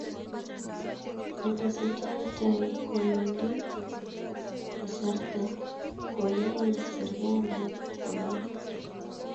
Kotesetai tai kowendi kasarta koyaei serkalit komie